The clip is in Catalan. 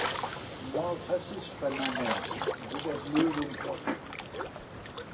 No el facis penar més: digues-li-ho d'un cop.